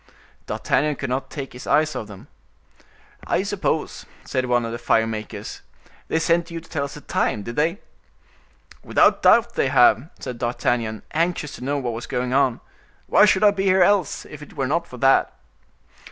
D'Artagnan could not take his eyes off them. "I suppose," said one of the fire makers, "they sent you to tell us the time—did not they?" "Without doubt they have," said D'Artagnan, anxious to know what was going on; "why should I be here else, if it were not for that?"